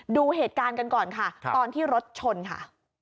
ดูเหตุการณ์กันก่อนค่ะตอนที่รถชนค่ะ